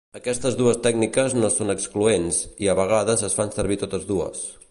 Aquestes dues tècniques no són excloents i a vegades es fan servir totes dues.